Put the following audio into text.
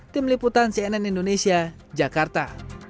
tim liputan cnn indonesia jakarta